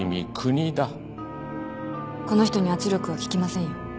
この人に圧力は効きませんよ。